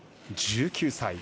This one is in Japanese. １９歳。